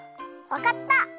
わかった！